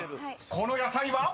この野菜は？］